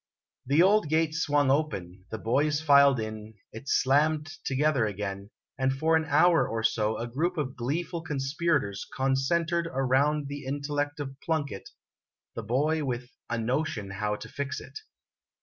The old gate swung open, the boys filed in, it slammed together again ; and for an hour or so a group of gleeful conspirators concen tered around the intellect of Plunkett, the boy with " a notion how to fix it."